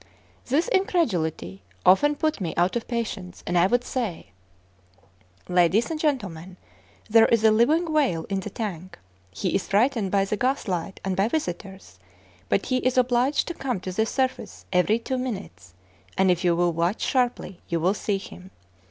This incredulity often put me out of patience, and I would say: "Ladies and gentlemen, there is a living whale in the tank. He is frightened by the gaslight and by visitors; but he is obliged to come to the surface every two minutes, and if you will watch sharply, you will see him.